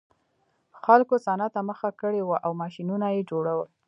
خلکو صنعت ته مخه کړې وه او ماشینونه یې جوړول